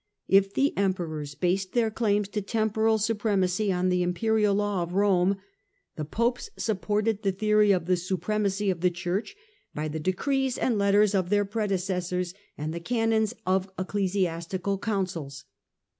If the Emperors based their claims to temporal supremacy on the imperial law of Rome, the Popes sup ported the theory of the supremacy of the Church by the decrees and letters of their predecessors, and the canons of ecclesiastical Councils.